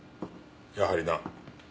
やはりな。